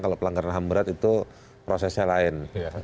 kalau pelanggaran ham berat itu prosesnya lain